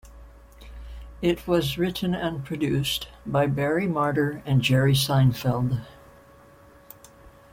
It was written and produced by Barry Marder and Jerry Seinfeld.